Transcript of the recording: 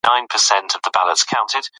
د ټولنیزو ستونزو انکار مه کوه.